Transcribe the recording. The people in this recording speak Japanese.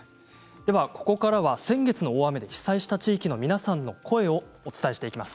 ここからは先月の大雨で被災した地域の皆さんの声をお伝えします。